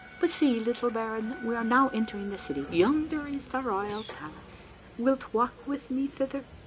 But see, little baron, we are now entering the city. Yonder is the royal palace — wilt walk with me thither?"